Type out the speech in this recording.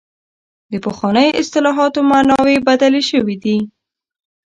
د پخوانیو اصطلاحاتو معناوې بدلې شوې دي.